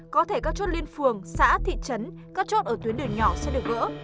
có thể các chốt liên phường xã thị trấn các chốt ở tuyến đường nhỏ sẽ được gỡ